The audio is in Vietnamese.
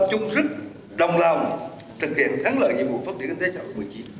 chung sức đồng lòng thực hiện thắng lợi nhiệm vụ phát triển kinh tế châu âu một mươi chín